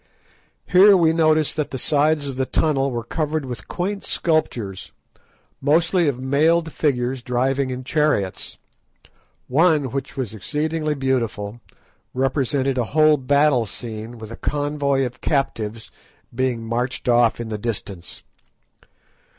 Here we noticed that the sides of the tunnel were covered with quaint sculptures, mostly of mailed figures driving in chariots. One, which was exceedingly beautiful, represented a whole battle scene with a convoy of captives being marched off in the distance.